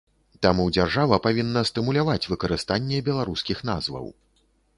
Таму дзяржава павінна стымуляваць выкарыстанне беларускіх назваў.